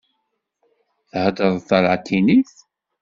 Theddreḍ talatinit?